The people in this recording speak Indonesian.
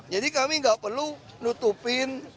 jadi kami tidak perlu menutupin